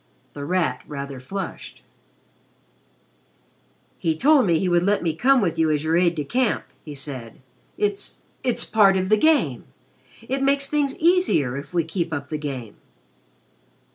The Rat rather flushed. "He told me that he would let me come with you as your aide de camp," he said. "It it's part of the game. It makes things easier if we keep up the game."